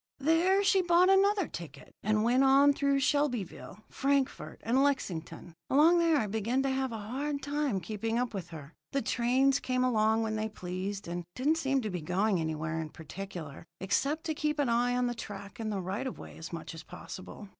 There she bought another ticket, and went on through Shelbyville, Frankfort, and Lexington. Along there I began to have a hard time keeping up with her. The trains came along when they pleased, and didn't seem to be going anywhere in particular, except to keep on the track and the right of way as much as possible.